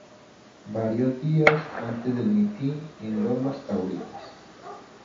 Varios días antes del mitin en Lomas Taurinas.